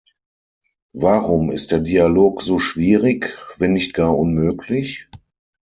Warum ist der Dialog so schwierig, wenn nicht gar unmöglich?